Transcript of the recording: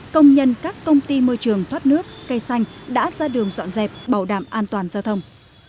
công nhân các công ty môi trường thoát nước cây xanh đã ra đường dọn dẹp bảo đảm an toàn giao thông